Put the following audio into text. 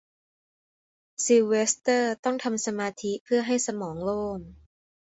ซิลเวสเตอร์ต้องทำสมาธิเพื่อทำให้สมองโล่ง